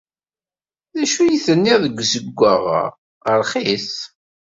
D acu ay tenniḍ deg uzewwaɣ-a? Rxis.